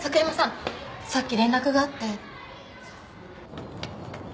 さっき連絡があって。